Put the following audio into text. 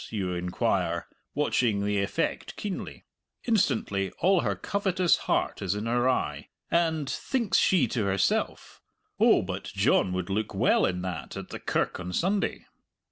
you inquire, watching the effect keenly. Instantly all her covetous heart is in her eye, and, thinks she to herself, "Oh, but John would look well in that at the kirk on Sunday!"